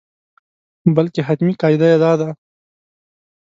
بلکې حتمي قاعده یې دا ده.